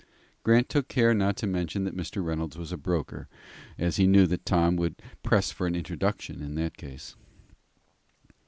Grant took care not to mention that Mr. Reynolds was a broker, as he knew that Tom would press for an introduction in that case.